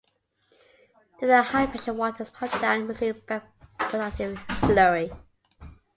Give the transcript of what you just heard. Then the high-pressure water is pumped down and receives back productive slurry.